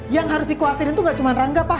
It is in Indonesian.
yang harus dikhawatirin tuh gak cuma rangga pak